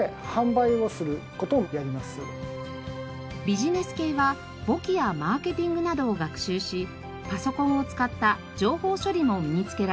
ビジネス系は簿記やマーケティングなどを学習しパソコンを使った情報処理も身につけられます。